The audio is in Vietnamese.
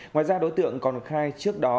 ngoài ra đối tượng còn khai trước đó